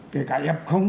kể cả f